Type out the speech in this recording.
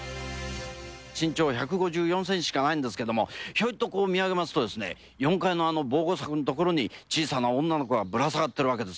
身長１５４センチしかないんですけれども、ひょいとこう見上げますと、４階のあの防護柵の所に、小さな女の子がぶら下がってるわけです